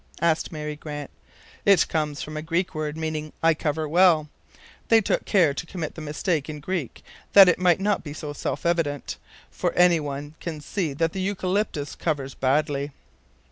asked Mary Grant. "It comes from a Greek word, meaning I cover well. They took care to commit the mistake in Greek, that it might not be so self evident, for anyone can see that the ecualyptus covers badly."